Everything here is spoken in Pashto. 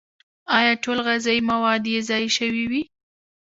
او ټول غذائي مواد ئې ضايع شوي وي